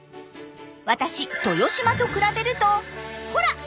私豊嶋と比べるとホラ！